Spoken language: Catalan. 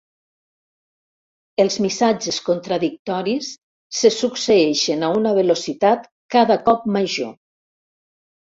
Els missatges contradictoris se succeeixen a una velocitat cada cop major.